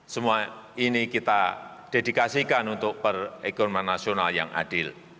semua ini kita dedikasikan untuk perekonomian nasional yang adil